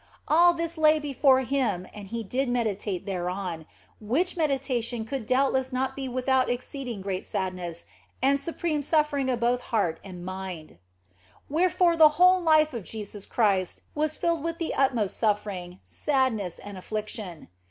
All this lay before Him and He did meditate thereon, which meditation could doubtless not be without exceeding great sadness and supreme suffering both of heart and mind. Wherefore was the whole life of Jesus Christ filled with the utmost suffering, sadness, and affliction.